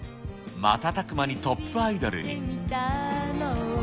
瞬く間にトップアイドルに。